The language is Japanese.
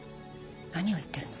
何を言ってるの？